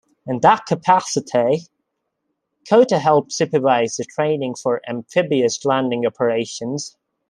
In that capacity, Cota helped supervise the training for amphibious landing operations.